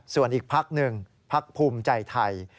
ส่วนอีกพักหนึ่งพักภูมิใจไทย